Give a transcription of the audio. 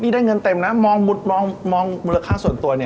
ได้เงินเต็มนะมองบุหรสค่าส่วนตัว